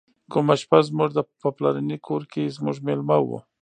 کومه شپه زموږ په پلرني کور کې زموږ میلمه و.